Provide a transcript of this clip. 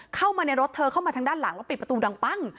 เข้ามาในรถเธอเข้ามาทางด้านหลังแล้วปิดประตูดังปั้ง